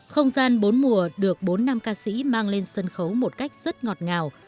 không gian bốn mùa được bốn nam ca sĩ mang lên sân khấu một cách rất ngọt ngào